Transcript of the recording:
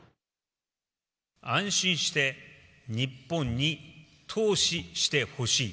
安心して日本に投資してほしい。